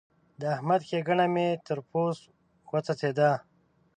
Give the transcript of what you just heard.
د احمد ښېګڼه مې تر پوست وڅڅېده.